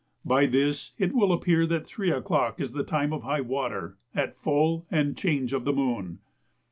By this it will appear that 3 o'clock is the time of high water at full and change of the moon.